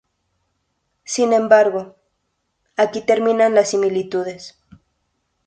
Sin embargo, aquí terminan las similitudes.